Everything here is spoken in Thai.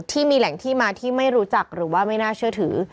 ที่มีแหล่งที่มาที่ไม่รู้จักหรือว่าไม่น่าเชื่อถือ